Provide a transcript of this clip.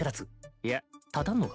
いや立たんのか？